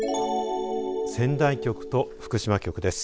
仙台局と福島局です。